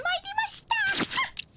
はっ！